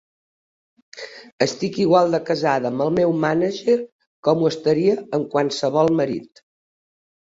Estic igual de casada amb el meu mànager com ho estaria amb qualsevol marit.